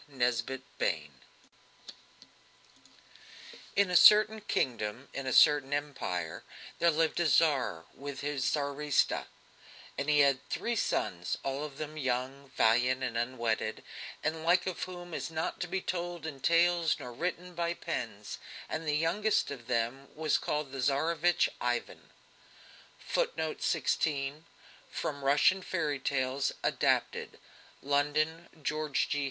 NESBIT BAIN In a certain kingdom, in a certain Empire, there lived a Tsar with his Tsaritsa, and he had three sons, all of them young, valiant, and unwedded, the like of whom is not to be told in tales nor written by pens, and the youngest of them was called the Tsarevich Ivan. [Footnote 16: From Russian Fairy Tales [Adapted]. (London: George G.